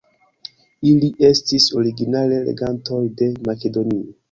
Ili estis originale regantoj de Makedonio.